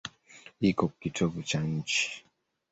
Iko kitovu cha nchi.